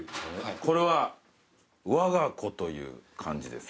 これは「我が子」という漢字です。